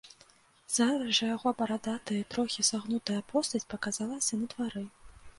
Зараз жа яго барадатая і трохі сагнутая постаць паказалася на двары.